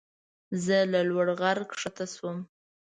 زه له لوړ غره ښکته شوم.